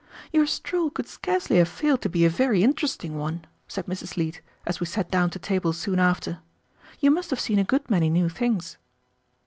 "Your stroll could scarcely have failed to be a very interesting one," said Mrs. Leete, as we sat down to table soon after. "You must have seen a good many new things."